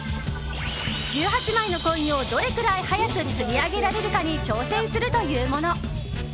１８枚のコインをどれくらい早く積み上げられるかに挑戦するというもの。